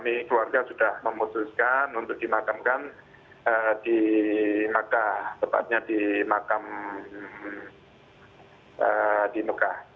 ini keluarga sudah memutuskan untuk dimakamkan di mekah tepatnya di mekah